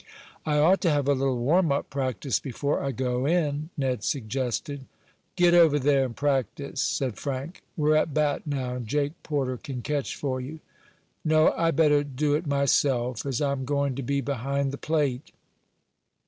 "I ought to have a little warm up practice before I go in," Ned suggested. "Get over there and practice," said Frank. "We're at bat now, and Jake Porter can catch for you. No, I'd better do it myself, as I'm going to be behind the plate."